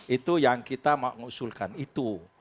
itu yang kita mengusulkan itu